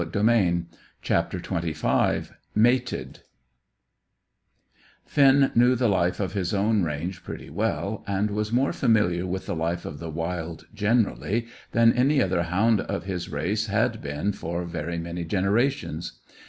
CHAPTER XXV MATED Finn knew the life of his own range pretty well, and was more familiar with the life of the wild generally than any other hound of his race has been for very many generations.